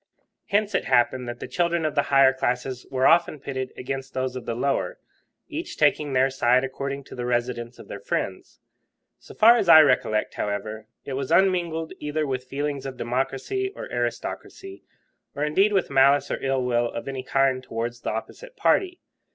Hence it happened that the children of the higher classes were often pitted against those of the lower, each taking their side according to the residence of their friends. So far as I recollect, however, it was unmingled either with feelings of democracy or aristocracy, or indeed with malice or ill will of any kind towards the opposite party.